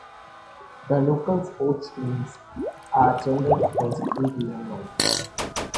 The local sports teams are generally dressed in green and white.